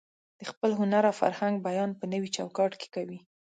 د خپل هنر او فرهنګ بیان په نوي چوکاټ کې کوي.